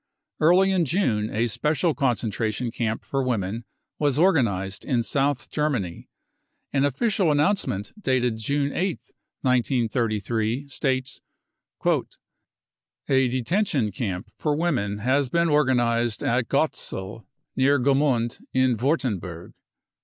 Early in June a special con centration camp for women was organised in South Ger many. An official announcement dated June 8th, 1933, states : u A detention camp for women has been organised at Gotteszell, near Gemund in Wurttemburg."